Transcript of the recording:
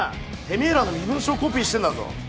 てめぇらの身分証コピーしてんだぞ。